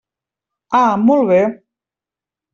Ah, molt bé.